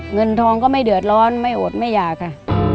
เงินทองก็ไม่เดือดร้อนไม่อดไม่อยากค่ะ